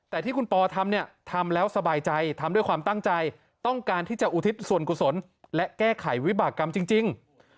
แต่ที่คุณปอทำเนี่ยทำแล้วสบายใจทำด้วยความตั้งใจต้องการที่จะอุทิศส่วนกุศลและแก้ไขวิบากรรมจริง